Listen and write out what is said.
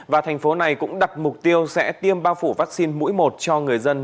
và thành phố này cũng đặt mục tiêu sẽ tiêm bao phủ vắc xin mũi một cho người dân